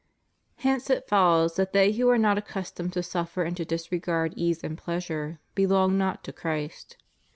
^ Hence it follows that they who are not accustomed to suffer, and to disregard ease and pleasure, belong not to Christ.